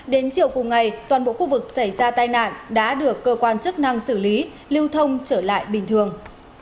đến chiều cùng ngày toàn bộ khu vực xảy ra tai nạn đã được cơ quan chức năng xử lý lưu thông trở lại bình thường